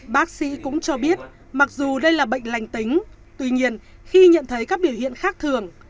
bác sĩ cũng cho biết mặc dù đây là bệnh lành tính tuy nhiên khi nhận thấy các biểu hiện khác thường